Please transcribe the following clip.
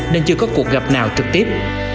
nên chưa có cuộc gặp nào trực tiếp